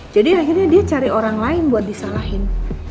jadi akhirnya dia cari orang lain buat disalahin